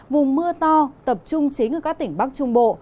vùng mưa to tập trung chính ở các tỉnh bắc trung bộ